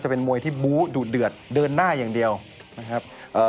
เป็นมวยที่บู้ดูดเดือดเดินหน้าอย่างเดียวนะครับเอ่อ